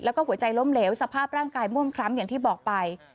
แล้วก็หัวใจล้มเหลวสภาพร่างกายม่วงคล้ำอย่างที่บอกไป